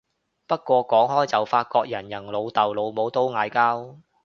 不過講開就發覺人人老豆老母都嗌交